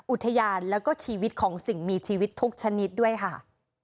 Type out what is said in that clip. อุทยานแล้วก็ชีวิตของสิ่งมีชีวิตทุกชนิดด้วยค่ะ